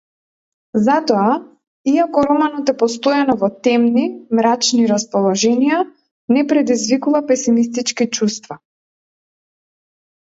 Затоа, иако романот е постојано во темни, мрачни расположенија, не предизвикува песимистички чувства.